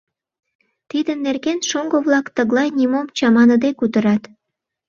Тидын нерген шоҥго-влак тыглай, нимом чаманыде кутырат.